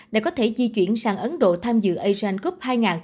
để có thể di chuyển sang ấn độ tham dự asian cup hai nghìn hai mươi hai